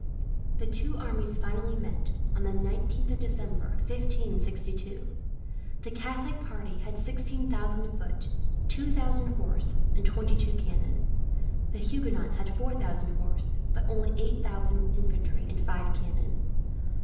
The two armies finally met, on the 19th of December, 1562. The Catholic party had sixteen thousand foot, two thousand horse, and twenty two cannon; the Huguenots four thousand horse, but only eight thousand infantry and five cannon.